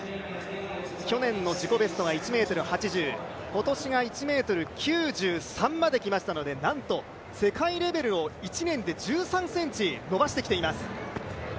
去年の自己ベストは１ｍ８０今年が１ｍ９３まできましたのでなんと、世界レベルを１年で１３ｃｍ伸ばしてきています。